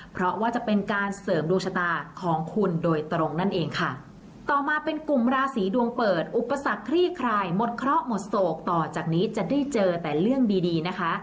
เพราะว่าจะเป็นการเสริมดวงชะตาของคุณโดยตรงนั่นเองค่ะต่อมาเป็นกลุ่มราศีดวงเปิดอุปสรรคคลี่คลายหมดเคราะห์หมดโศกต่อจากนี้จะได้เจอแต่เรื่องดีดีนะคะ